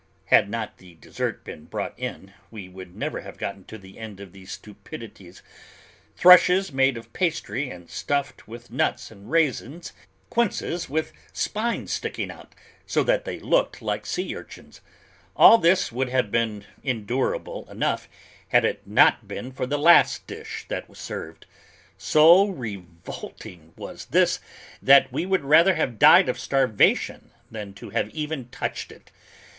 Had not the dessert been brought in, we would never have gotten to the end of these stupidities. Thrushes made of pastry and stuffed with nuts and raisins, quinces with spines sticking out so that they looked like sea urchins. All this would have been endurable enough had it not been for the last dish that was served; so revolting was this, that we would rather have died of starvation than to have even touched it.